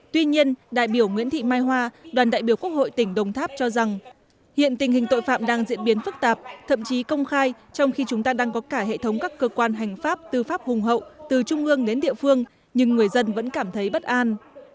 tuy nhiên đại biểu nguyễn thị mai hoa đoàn đại biểu quốc hội tỉnh đồng tháp cho rằng hiện tình hình tội phạm đang diễn biến phức tạp thậm chí công khai trong khi chúng ta đang có cả hệ thống các cơ quan hành pháp tư pháp hùng hậu từ trung ương đến địa phương nhưng người dân vẫn cảm thấy bất an